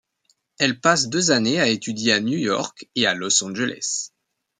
Elle passe deux années à étudier à New York et à Los Angeles.